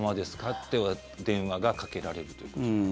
って、電話がかけられるということです。